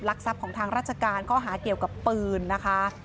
ทรัพย์ของทางราชการข้อหาเกี่ยวกับปืนนะคะ